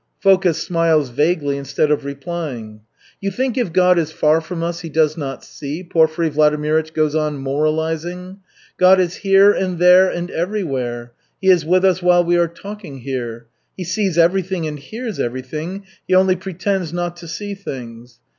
Foka smiles vaguely, instead of replying. "You think if God is far from us, He does not see?" Porfiry Vladimirych goes on moralizing. "God is here and there and everywhere, he is with us while we are talking here. He sees everything and hears everything, he only pretends not to see things.